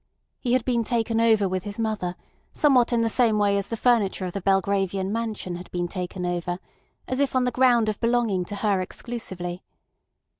He had been taken over with his mother, somewhat in the same way as the furniture of the Belgravian mansion had been taken over, as if on the ground of belonging to her exclusively.